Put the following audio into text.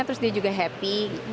terus dia juga happy